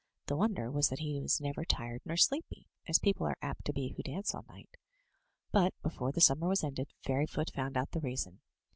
The wonder was that he was never tired nor sleepy, as people are apt to be who dance all night; but before the summer was ended Fairyfoot found out the reason.